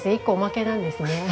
１個おまけなんですね。